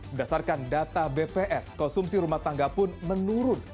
berdasarkan data bps konsumsi rumah tangga pun menurun